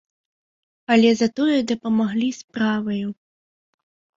Але затое дапамаглі справаю.